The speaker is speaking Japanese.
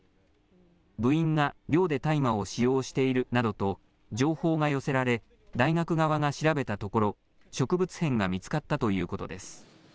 部員が寮で大麻を使用しているなどと情報が寄せられ、大学側が調べたところ、植物片が見つかったということです。